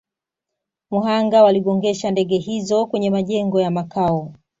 mhanga waligongesha ndege hizo kwenye majengo ya Makao